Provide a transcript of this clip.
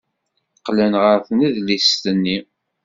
Qqlen ɣer tnedlist-nni.